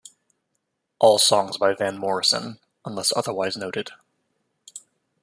All songs by Van Morrison, unless otherwise noted.